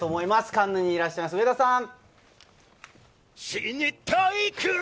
カンヌにいらっしゃいます、上田さん！